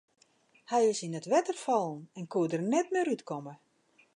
Hy is yn it wetter fallen en koe der net mear út komme.